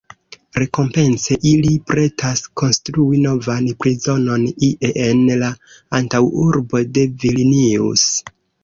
Rekompence ili pretas konstrui novan prizonon ie en la antaŭurbo de Vilnius.